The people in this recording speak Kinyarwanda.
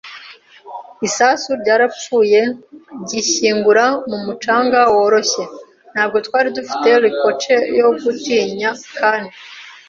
isasu ryarapfuye ryishyingura mu mucanga woroshye. Ntabwo twari dufite ricochet yo gutinya, kandi